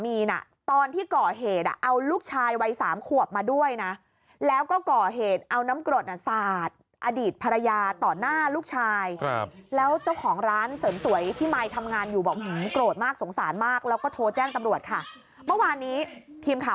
มร้อนหลอยอยู่แล้วก็มีร่องรอยเหมือนกับคราบน้ำกดอ่ะค่ะ